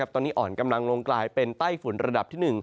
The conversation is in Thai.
ตอนนี้อ่อนกำลังลงกลายเป็นไต้ฝุ่นระดับที่๑